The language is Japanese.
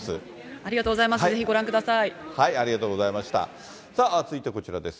ありがとうございます。